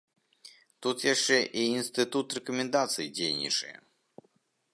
Тут яшчэ і інстытут рэкамендацый дзейнічае.